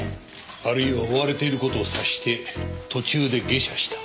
あるいは追われている事を察して途中で下車した。